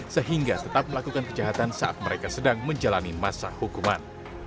sehingga tetap melakukan kejahatan saat mereka sedang menjalani masa hukuman